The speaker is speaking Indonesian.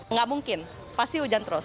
nggak mungkin pasti hujan terus